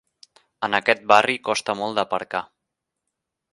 En aquest barri costa molt d'aparcar.